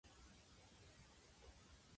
私は、営業アシスタントをしています。